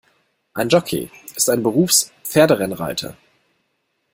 Ein Jockey ist ein Berufs-Pferderennreiter.